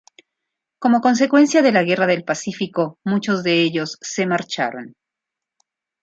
Como consecuencia de la guerra del Pacífico, muchos de ellos se marcharon.